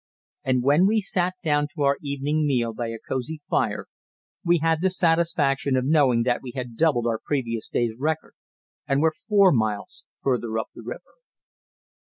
And when we sat down to our evening meal by a cosey fire, we had the satisfaction of knowing that we had doubled our previous day's record and were four miles further up the river.